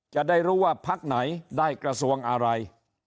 จะได้รู้ว่าภักดิ์ไหนได้กระทรวงอันนั้น